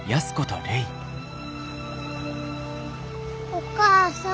お母さん。